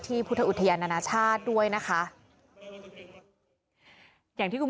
ที่พุทธอุทยานาชาติด้วยนะคะ